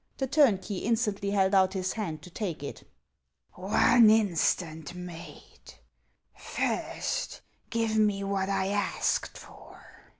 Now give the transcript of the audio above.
The turnkey instantly held out his hand to take it. " One instant, mate ; first give me what I asked for."